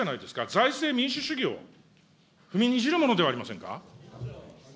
財政民主主義を踏みにじるものではありませんか。